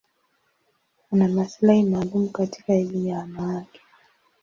Ana maslahi maalum katika elimu ya wanawake.